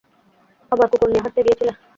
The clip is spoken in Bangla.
আবার কুকর নিয়ে হাটতে গিয়েছিলে?